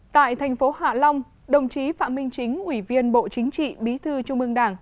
tại thành phố hạ long đồng chí phạm minh chính ủy viên bộ chính trị bí thư trung ương đảng